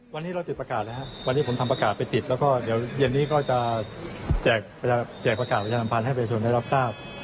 วันนี้เราติดประกาศแล้ววันนี้ผมทำประกาศไปติดแล้วคราวที่เย็นนี้ก็จะแจกประกาศประชานัมพลาณให้เพยรทชนได้รับทราบ